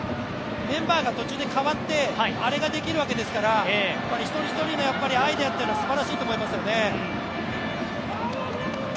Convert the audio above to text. メンバーが途中でかわってあれができるわけですから、１人１人のアイデアというのはすばらしいと思いますよね。